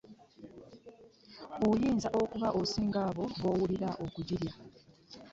Oyinza okuba osinga obo b'owulira okugirya